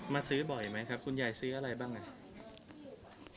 ซื้อบ่อยไหมครับคุณยายซื้ออะไรบ้างอ่ะ